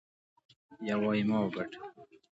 يو وايي ما وګاټه.